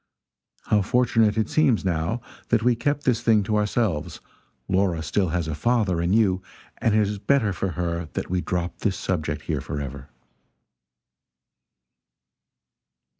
How fortunate it seems, now, that we kept this thing to ourselves; Laura still has a father in you, and it is better for her that we drop this subject here forever."